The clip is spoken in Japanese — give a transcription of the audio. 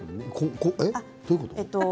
どういうこと？